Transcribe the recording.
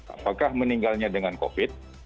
apakah meninggalnya dengan covid